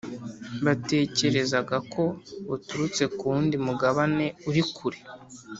Batekerezaga ko buturutse ku wundi mugabane uri kure